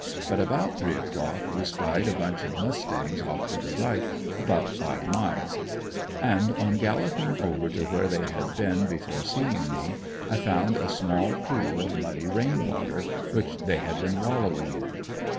But about three o'clock, we spied a bunch of mustangs off to the right, about five miles, and on galloping over to where they had been, before seeing me, I found a small pool of muddy rain water, which they had been wallowing in.